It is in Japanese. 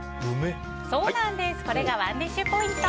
そうなんです、これがＯｎｅＤｉｓｈポイント。